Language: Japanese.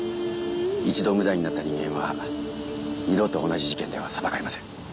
一度無罪になった人間は二度と同じ事件では裁かれません。